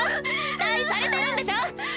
期待されてるんでしょ！